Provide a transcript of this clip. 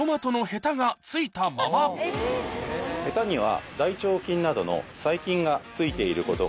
ヘタには。